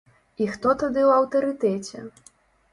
І хто тады ў аўтарытэце?